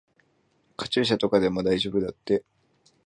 カチューシャとかでも大丈夫だって。